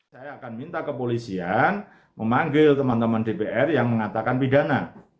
saya akan minta kepolisian memanggil teman teman dpr yang mengatakan pidana